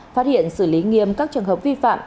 phát hiện xử lý nghiêm các trường hợp vi phạm